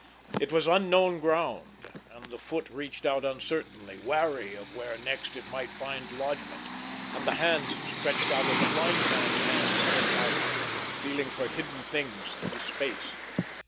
It was unknown ground, and the foot reached out uncertainly, wary of where next it might find lodgment, and the hands stretched out, as a blind man's hands stretch out, feeling for hidden things through space.